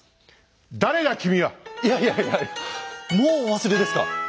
いやいやいやいやもうお忘れですか？